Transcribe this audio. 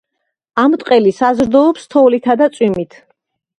ამტყელი საზრდოობს თოვლითა და წვიმით.